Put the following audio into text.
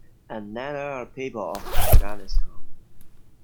And neither are the people of Afghanistan.